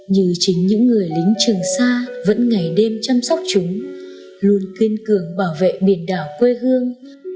như chính những người lính trường sa vẫn ngày đêm chăm sóc chúng luôn kiên cường bảo vệ biển đảo quê hương